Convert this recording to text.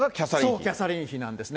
キャサリン妃なんですね。